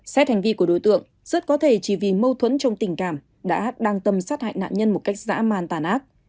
xét hành vi của đối tượng rất có thể chỉ vì mâu thuẫn trong tình cảm đã đang tâm sát hại nạn nhân một cách dã man tàn ác